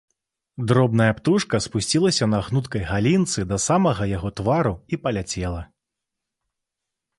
Дробная птушка спусцілася на гнуткай галінцы да самага яго твару і паляцела.